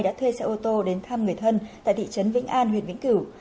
đã thuê xe ô tô đến thăm người thân tại thị trấn vĩnh an huyện vĩnh cửu